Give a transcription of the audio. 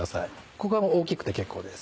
ここは大きくて結構です。